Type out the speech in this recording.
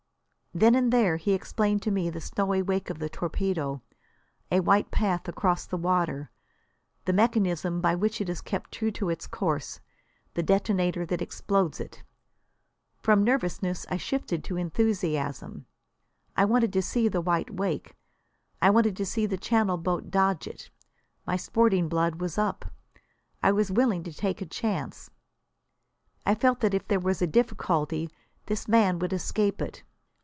Then and there he explained to me the snowy wake of the torpedo, a white path across the water; the mechanism by which it is kept true to its course; the detonator that explodes it. From nervousness I shifted to enthusiasm. I wanted to see the white wake. I wanted to see the Channel boat dodge it. My sporting blood was up. I was willing to take a chance. I felt that if there was a difficulty this man would escape it.